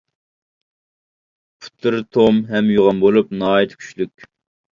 پۇتلىرى توم ھەم يوغان بولۇپ، ناھايىتى كۈچلۈك.